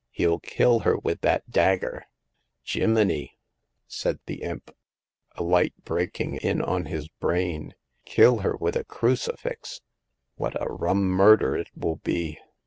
Hell kill her with that dagger !"" Jiminy !" said the imp, a light breaking in on his brain. Kill her with a crucifix ! What a rum murder it will be